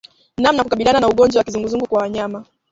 Namna ya kukabiliana na ugonjwa wa kizunguzungu kwa wanyama